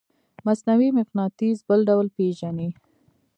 مصنوعي مقناطیس بل ډول پیژنئ؟